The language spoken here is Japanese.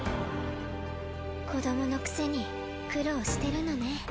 子どものくせに苦労してるのね。